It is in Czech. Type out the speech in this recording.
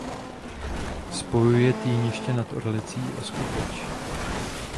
Spojuje Týniště nad Orlicí a Skuteč.